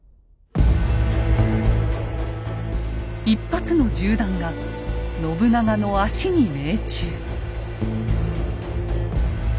一発の銃弾が信長の足に命中。